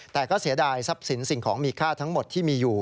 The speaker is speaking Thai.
แต่ก็เสียดายทรัพย์สินสิ่งของมีค่าทั้งหมดที่มีอยู่